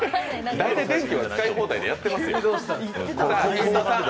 大体電気は使い放題でやってますよ。